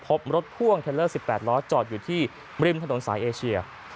พบรถพ่วงเทลเลอร์๑๘ล้อจอดอยู่ที่ริมถนนสายเอเชีย